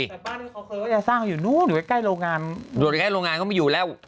แต่บ้านนี้เขาเคยสร้างอยู่นู้นหรือไว้ใกล้โรงงานหรือไว้ใกล้โรงงานเขาไม่อยู่แล้ว